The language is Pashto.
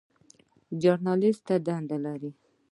ژورنالیزم څه دنده لري؟